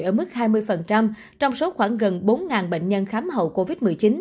ở mức hai mươi trong số khoảng gần bốn bệnh nhân khám hậu covid một mươi chín